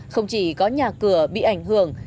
không chỉ có nhà cửa bị ảnh hưởng